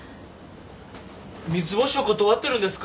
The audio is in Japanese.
三ツ星を断ってるんですか？